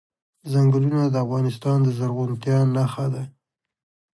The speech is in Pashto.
ځنګلونه د افغانستان د زرغونتیا نښه ده.